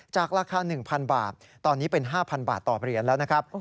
จากราคา๑๐๐บาทตอนนี้เป็น๕๐๐บาทต่อเหรียญแล้วนะครับ